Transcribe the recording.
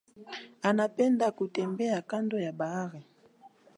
Anapenda kutembea kando ya bahari.